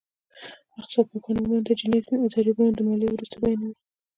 اقتصادپوهان عموماً د جیني ضریبونه د ماليې وروسته بیانوي